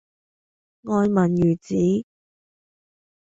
愛民如子